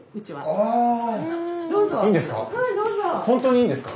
いいんですか？